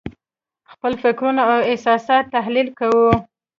خپل فکرونه او احساسات تحلیل کوو.